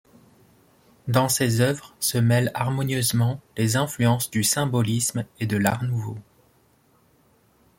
Dans ces œuvres, se mêlent harmonieusement les influences du symbolisme et de l'art Nouveau.